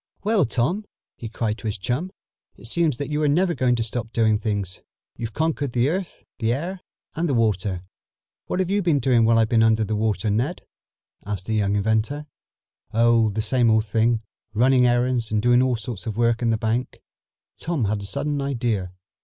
"Well, Tom," he cried to his chum, "it seems that you are never going to stop doing things. You've conquered the air, the earth and the water." "What have you been doing while I've been under water, Ned?" asked the young inventor. "Oh, the same old thing. Running errands and doing all sorts of work in the bank." Tom had a sudden idea.